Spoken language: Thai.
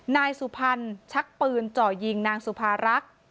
นายสุพรรณชักปืนเจาะยิงนางสุภารักษ์